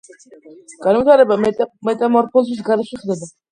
განვითარება მეტამორფოზის გარეშე ხდება.